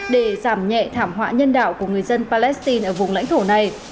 để giảm nhẹ thảm họa nhân đạo của người dân palestine ở vùng lãnh thổ này